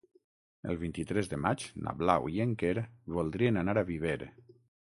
El vint-i-tres de maig na Blau i en Quer voldrien anar a Viver.